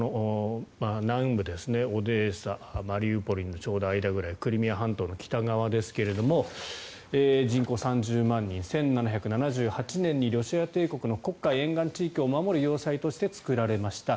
南部ですね、オデーサマリウポリのちょうど間くらいクリミア半島の北側ですが人口３０万人１７７８年にロシア帝国の黒海沿岸地域を守る要塞として作られました。